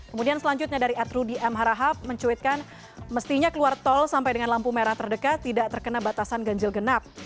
kemudian selanjutnya dari adrudi m harahap mencuitkan mestinya keluar tol sampai dengan lampu merah terdekat tidak terkena batasan ganjil genap